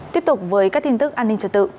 tiếp tục với các tin tức an ninh trật tự